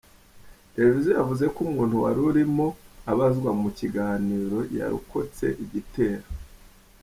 Televiziyo yavuze ko umuntu wari urimo abazwa mu kiganiro yarokotse igitero.